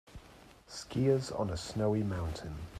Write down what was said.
Skiiers on a snowy mountain.